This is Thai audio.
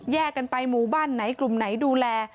กันไปหมู่บ้านไหนกลุ่มไหนดูแล